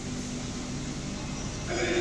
ملنګه ! دا ګټان زلفې، درانۀ باڼۀ اؤ ډک زړۀ؟ !.